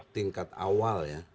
tingkat awal ya